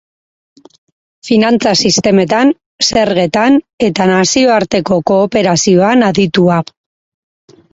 Finantza sistemetan, zergetan eta nazioarteko kooperazioan aditua.